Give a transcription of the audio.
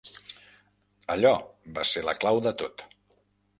Allò va ser la clau de tot.